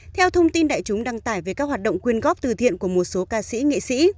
theo thông tin đại chúng đăng tải về các hoạt động quyên góp từ thiện của một số ca sĩ nghệ sĩ